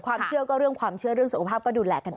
ความเชื่อก็เรื่องความเชื่อเรื่องสุขภาพก็ดูแลกันไป